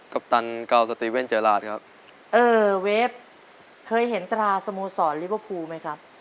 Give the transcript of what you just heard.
ปตันเกาสตีเว่นเจอราชครับเออเวฟเคยเห็นตราสโมสรลิเวอร์พูลไหมครับ